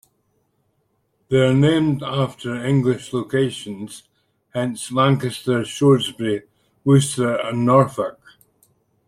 They are named after English locations, hence Lancaster, Shrewsbury, Worcester, and Norfolk.